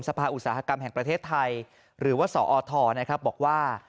อุตสาหกรรมแห่งประเทศไทยหรือว่าสอทนะครับบอกว่า